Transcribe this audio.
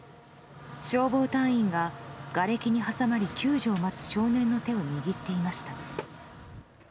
消防隊員ががれきに挟まれ救助を待つ少年の手を握っていました。